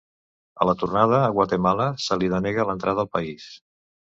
A la tornada a Guatemala se li denega l'entrada al país.